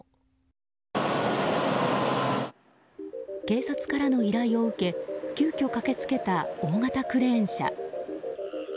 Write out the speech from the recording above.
警察からの依頼を受け急きょ駆け付けた大型クレーン車。